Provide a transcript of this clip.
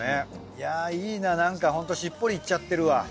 いやいいななんかホントしっぽりいっちゃってるわ。